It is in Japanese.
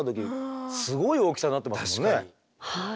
はい。